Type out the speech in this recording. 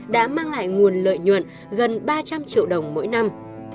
đã mang lại nguồn lợi nhuận gần ba trăm linh triệu đồng mỗi năm